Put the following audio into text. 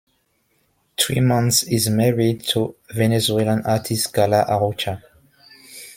Tuymans is married to Venezuelan artist Carla Arocha.